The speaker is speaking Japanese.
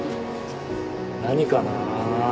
何かなぁ。